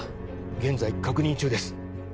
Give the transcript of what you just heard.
現在確認中です